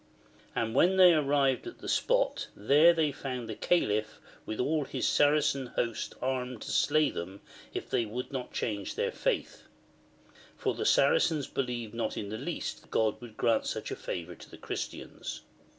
And when they arrived at the spot, there they found the Calif with all his Saracen host armed to slay them if they would not change their faith ; for the Saracens be lieved not in the least that God would grant such favour to the Christians.